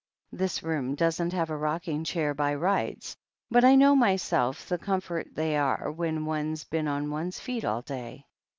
This room doesn't have a rocking chair by rights, but I know myself the comfort they are when one's been on one's feet all day.